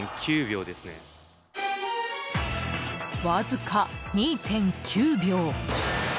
わずか２．９秒。